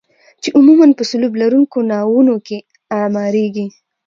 چې عموما په سلوب لرونکو ناوونو کې اعماریږي.